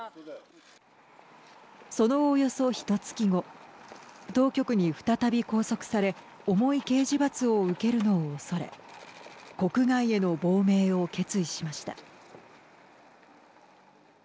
そのおよそ、ひとつき後当局に、再び拘束され重い刑事罰を受けるのを恐れ国外への亡命を決意しました。